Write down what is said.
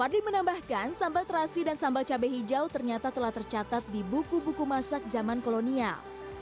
fadli menambahkan sambal terasi dan sambal cabai hijau ternyata telah tercatat di buku buku masak zaman kolonial